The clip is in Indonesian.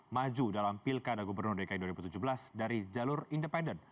maju dalam pilkada gubernur dki dua ribu tujuh belas dari jalur independen